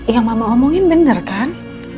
ya mama omongin bener kan